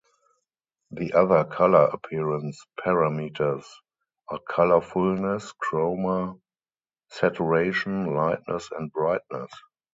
The other color appearance parameters are colorfulness, chroma, saturation, lightness, and brightness.